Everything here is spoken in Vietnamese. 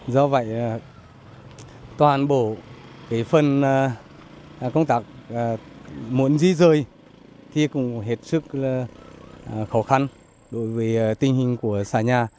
do vậy toàn bộ phần công tác muốn di rời thì cũng hết sức là khó khăn đối với tình hình của xã nhà